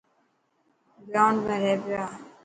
گرائونڊ ۾ رهي پيا.